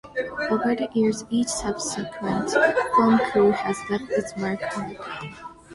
Over the years, each subsequent film crew has left its mark on the town.